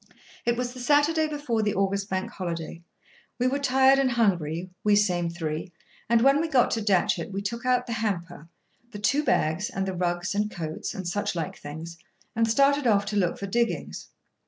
It was the Saturday before the August Bank Holiday. We were tired and hungry, we same three, and when we got to Datchet we took out the hamper, the two bags, and the rugs and coats, and such like things, and started off to look for diggings.